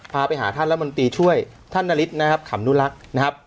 พาไปหาท่านรัฐมนตรีช่วยท่านนฤทธินะครับขำนุรักษ์นะครับ